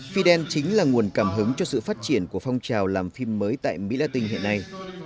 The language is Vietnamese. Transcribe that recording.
fidel chính là nguồn cảm hứng cho sự phát triển của phong trào làm phim mới tại mỹ latin hiện nay